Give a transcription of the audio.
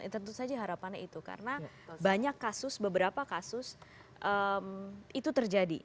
tentu saja harapannya itu karena banyak kasus beberapa kasus itu terjadi